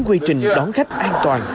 quy trình đón khách an toàn